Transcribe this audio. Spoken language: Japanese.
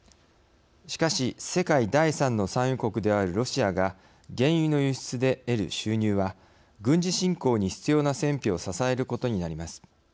しかし世界第３位の産油国であるロシアが原油の輸出で得る収入は軍事侵攻に必要な戦費を支えることになります。